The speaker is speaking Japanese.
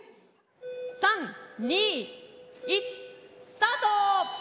３・２・１スタート！